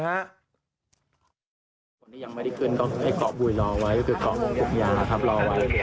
ยังไม่ได้เชอร์ขอบบุยรอไว้ขอบบุกยานคมรอไว้